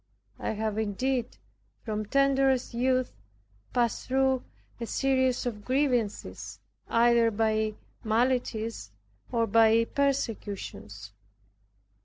I have indeed, from tenderest youth, passed through a series of grievances, either by maladies or by persecutions.